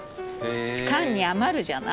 缶に余るじゃない。